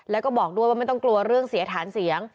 แล้วก็บอกด้วยว่าไม่ต้องกลัวเรื่องเสียฐานเสียง